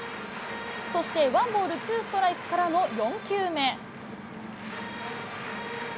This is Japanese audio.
そしてワンボールツーストライクからの４球目。